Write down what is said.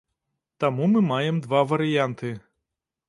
Таму мы маем два варыянты.